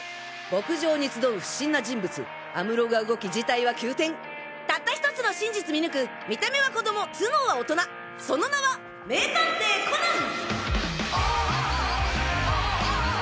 牧場に集う不審な人物安室が動き事態は急転たった１つの真実見抜く見た目は子供頭脳は大人その名は名探偵コナン！